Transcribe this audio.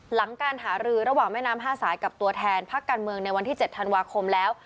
หลังการหารือระหว่างแม่น้ำ๕สายกับตัวแทนพักการเมืองในวันที่๗ธันวาคมแล้ว